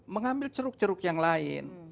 mengambil ceruk jeruk yang lain